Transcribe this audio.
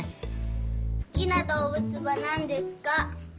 すきなどうぶつはなんですか？